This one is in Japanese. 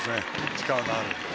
力のある。